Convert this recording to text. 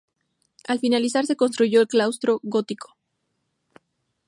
Al finalizar se construyó el claustro gótico.